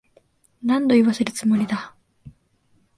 何度言わせるつもりだ。